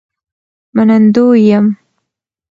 منندوی یم